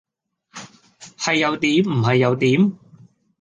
係又點唔係又點？